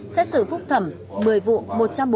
xét xử phúc thẩm một mươi vụ một trăm bốn mươi chín bị cáo